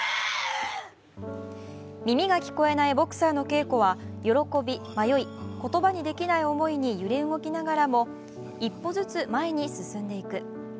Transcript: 耳が聞こえないボクサーのケイコは、喜び、迷い言葉にできない思いに揺れ動きながらも一歩ずつ前に進んでいく。